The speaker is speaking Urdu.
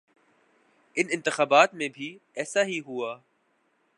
ان انتخابات میں بھی ایسا ہی ہوا۔